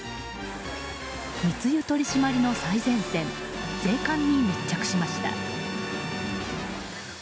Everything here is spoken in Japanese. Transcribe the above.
密輸取り締まりの最前線税関に密着しました。